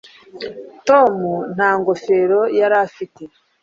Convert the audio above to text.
Tom nta ngofero yari afite